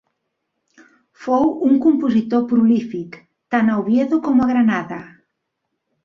Fou un compositor prolífic, tant a Oviedo com a Granada.